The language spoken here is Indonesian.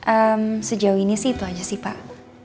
eee sejauh ini sih itu aja sih pak